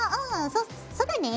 そそだね。